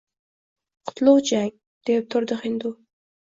Qutlug’ jang, deb turdi hindu